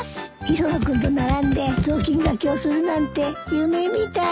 磯野君と並んで雑巾がけをするなんて夢みたい。